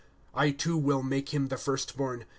2'' I too will make him the firstborn.